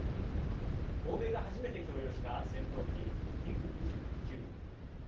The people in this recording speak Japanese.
欧米が初めて供与した戦闘機ミグ２９。